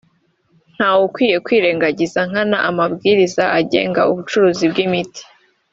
ntawe ukwiye kwirengagiza nkana amabwiriza agenga ubucuruzi bw’imiti